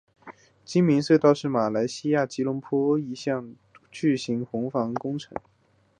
精明隧道是马来西亚吉隆坡一项巨型防洪计划工程。